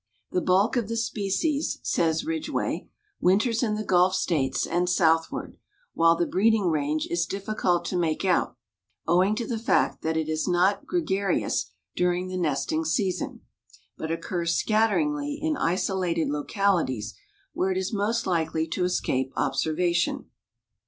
The bulk of the species, says Ridgway, winters in the Gulf states and southward, while the breeding range is difficult to make out, owing to the fact that it is not gregarious during the nesting season, but occurs scatteringly in isolated localities where it is most likely to escape observation.